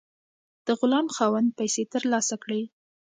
د غلام خاوند پیسې ترلاسه کړې.